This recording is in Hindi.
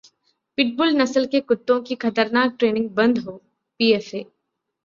पिटबुल नस्ल के कुत्तों की खतरनाक ट्रेनिंग बंद हो: पीएफए